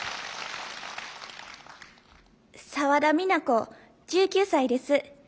澤田美奈子１９歳です。